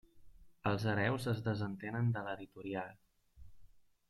Els hereus es desentenen de l'editorial.